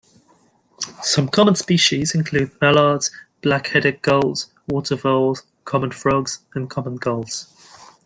Some common species include mallards, black-headed gulls, water voles, common frogs and common gulls.